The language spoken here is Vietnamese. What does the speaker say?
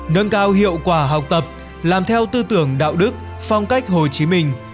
nâng cao hiệu quả học tập làm theo tư tưởng đạo đức phong cách hồ chí minh